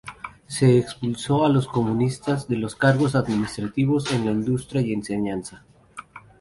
Se expulsó a los comunistas de los cargos administrativos, en la industria y enseñanza.